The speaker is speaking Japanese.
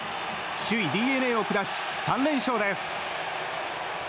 首位ＤｅＮＡを下し３連勝です！